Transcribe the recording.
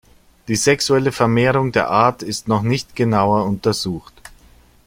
Die sexuelle Vermehrung der Art ist noch nicht genauer untersucht.